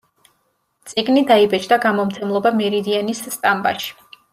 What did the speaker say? წიგნი დაიბეჭდა გამომცემლობა „მერიდიანის“ სტამბაში.